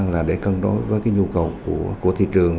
là để cân đối với cái nhu cầu của thị trường